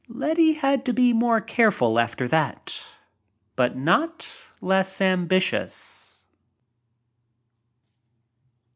Letty had to be more careful after that — but not less ambitious.